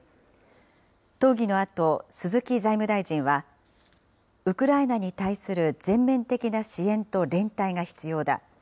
討議のあと、鈴木財務大臣は、ウクライナに対する全面的な支援と連帯が必要だ。